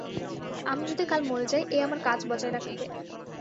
আমি যদি কাল মরে যাই, এ আমার কাজ বজায় রাখবে।